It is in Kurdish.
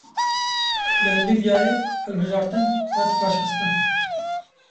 Li Lîbyayê hilbijartin hat paşxistin.